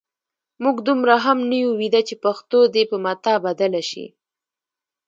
موږ دومره هم نه یو ویده چې پښتو دې په متاع بدله شي.